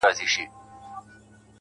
چي د ښـكلا خبري پټي ساتي.